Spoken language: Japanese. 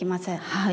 はい。